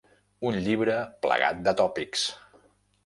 Un llibre plagat de tòpics.